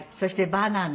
バナナ。